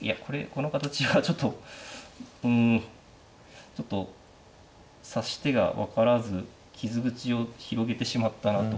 この形がちょっとうんちょっと指し手が分からず傷口を広げてしまったなと。